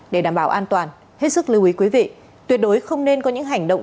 để đảm bảo an toàn hết sức lưu ý quý vị tuyệt đối không nên có những hành động